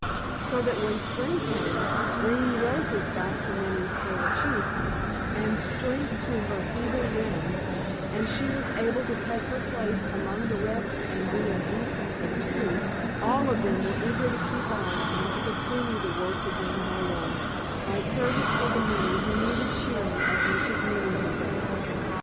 So that when spring came, bringing roses back to Minnie's pale cheeks, and strength to her feeble limbs, and she was able to take her place among the rest and be a "Do Something" too, all of them were eager to keep on, and to continue the work begun for one, by service for the many who needed cheering as much as Minnie had done.